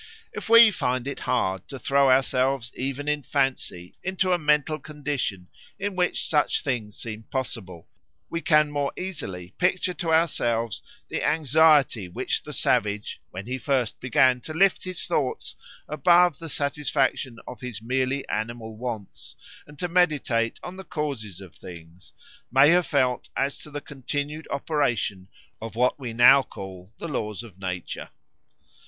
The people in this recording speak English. If we find it hard to throw ourselves even in fancy into a mental condition in which such things seem possible, we can more easily picture to ourselves the anxiety which the savage, when he first began to lift his thoughts above the satisfaction of his merely animal wants, and to meditate on the causes of things, may have felt as to the continued operation of what we now call the laws of nature.